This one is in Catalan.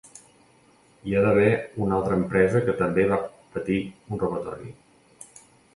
Hi va haver una altra empresa que també va patir un robatori.